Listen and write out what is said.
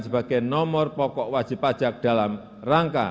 sebagai nomor pokok wajib pajak dalam rangka